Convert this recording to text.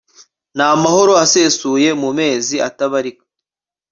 n'amahoro asesure, mu mezi atabarika